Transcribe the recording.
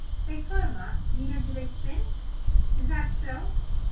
"They toil not, neither do they spin?" Is that so?